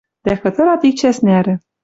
Дӓ хытырат ик чӓс нӓрӹ